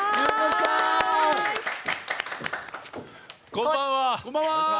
こんばんは！